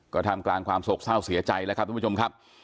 ก็ทำกลางความโศกเศร้าเสียใจแล้วครับทุกผู้ชมครับ